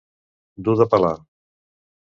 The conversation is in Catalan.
Dur de pelar.